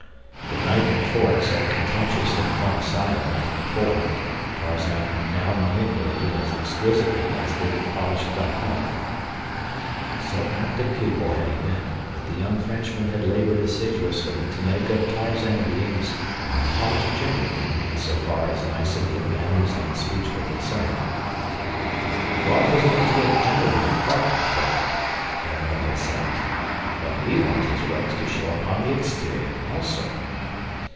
The knife and fork, so contemptuously flung aside a month before, Tarzan now manipulated as exquisitely as did the polished D'Arnot. So apt a pupil had he been that the young Frenchman had labored assiduously to make of Tarzan of the Apes a polished gentleman in so far as nicety of manners and speech were concerned. "God made you a gentleman at heart, my friend," D'Arnot had said; "but we want His works to show upon the exterior also."